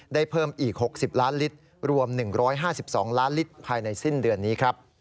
เพิ่มอีก๖๐ล้านลิตรรวม๑๕๒ล้านลิตรภายในสิ้นเดือนนี้ครับ